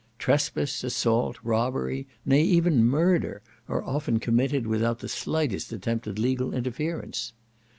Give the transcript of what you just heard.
Trespass, assault, robbery, nay, even murder, are often committed without the slightest attempt at legal interference.